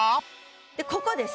でここです！